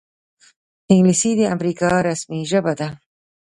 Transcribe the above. انګلیسي د امریکا رسمي ژبه ده